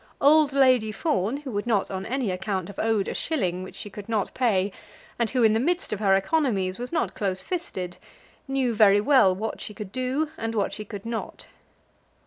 Old Lady Fawn, who would not on any account have owed a shilling which she could not pay, and who, in the midst of her economies, was not close fisted, knew very well what she could do and what she could not.